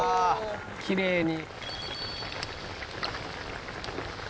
「きれいに」